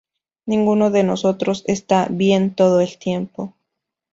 Ninguno de nosotros está "bien" todo el tiempo.